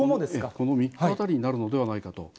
この３日あたりになるのではないかと。